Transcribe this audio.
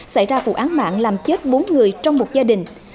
xảy ra vụ án mạng làm chết bốn người